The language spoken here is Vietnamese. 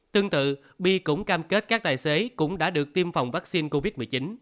tương tự bi cũng cam kết các tài xế cũng đã được tiêm phòng vaccine covid một mươi chín